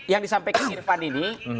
yang disampaikan irfan ini